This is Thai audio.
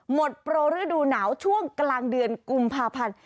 หมดโปรฤดูหนาวช่วงกลางเดือนกุมภาพันธ์